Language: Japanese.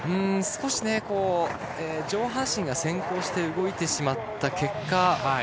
少し上半身が先行して動いてしまった結果